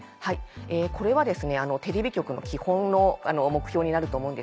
これはテレビ局の基本の目標になると思うんですが。